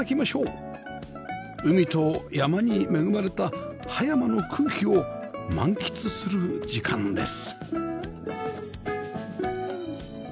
海と山に恵まれた葉山の空気を満喫する時間です